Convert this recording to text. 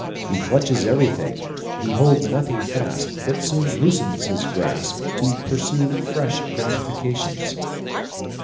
He clutches everything, he holds nothing fast, but soon loosens his grasp to pursue fresh gratifications.